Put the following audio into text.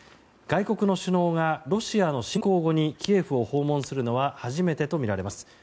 外国の首脳がロシアの侵攻後にキエフを訪問するのは初めてとみられます。